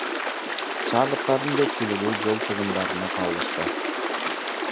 Шаардыктардын көпчүлүгү жол тыгындарына кабылышты.